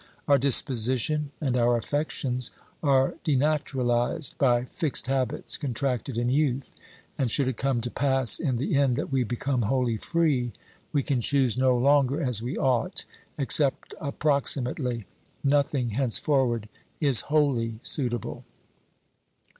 Our disposition and our affections are denaturalised by fixed habits contracted in youth, and should it come to pass in the end that we become wholly free, we can choose no longer as we ought, except approximately ; nothing, hence forward, is wholly suitable.